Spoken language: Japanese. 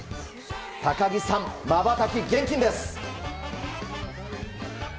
高木さん、まばたき厳禁です。